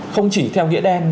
không chỉ theo nghĩa đen